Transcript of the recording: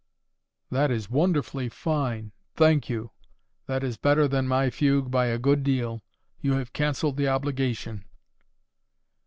'" "That is wonderfully fine. Thank you. That is better than my fugue by a good deal. You have cancelled the obligation."